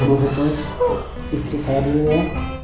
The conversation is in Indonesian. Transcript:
ibu butuh istri saya dulu ya